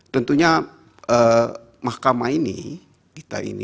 tentunya mahkamah ini kita ini